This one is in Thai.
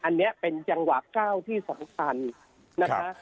อันนี้เป็นจังหวะก้าวที่สำคัญนะคะ